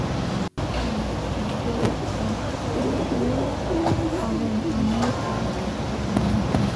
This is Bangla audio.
জোসেফ ডাকতে পারবেন, আমি তার সাথে কথা বলব।